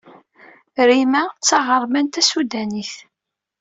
Rima d taɣerman tasudanit.